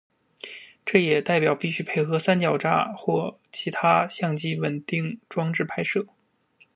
这也代表必须配合三脚架或其他相机稳定装置拍摄。